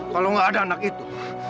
kalau nggak ada anak itu